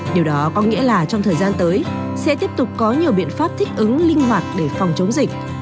điều đó có nghĩa là trong thời gian tới sẽ tiếp tục có nhiều biện pháp thích ứng linh hoạt để phòng chống dịch